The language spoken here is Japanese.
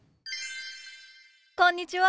こんにちは。